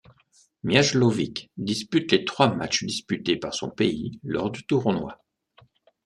Mihajlović dispute les trois matchs disputés par son pays lors du tournoi.